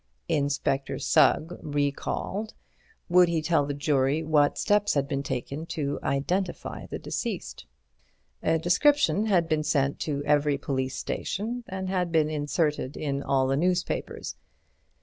Inspector Sugg, recalled. Would he tell the jury what steps had been taken to identify the deceased? A description had been sent to every police station and had been inserted in all the newspapers.